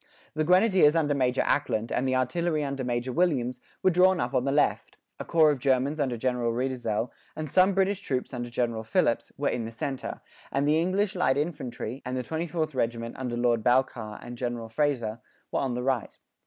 The grenadiers under Major Ackland, and the artillery under Major Williams, were drawn up on the left; a corps of Germans under General Reidesel, and some British troops under General Phillips, were in the centre; and the English light infantry, and the 24th regiment under Lord Balcarres and General Fraser, were on the right.